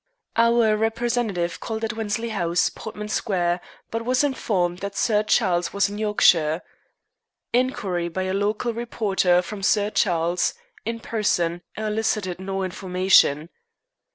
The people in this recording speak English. "Our representative called at Wensley House, Portman Square, but was informed that Sir Charles was in Yorkshire." Inquiry by a local reporter from Sir Charles in person elicited no information.